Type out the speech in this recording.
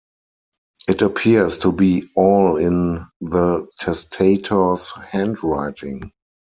It appears to be all in the testator's handwriting.